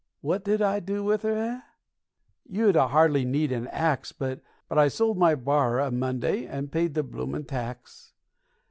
What did I do with her, eh? You'd a hardly need to ax, But I sold my barrer a Monday, and paid the bloomin' tax.